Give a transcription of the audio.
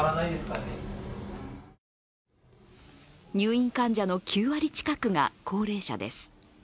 入院患者の９割近くが高齢者です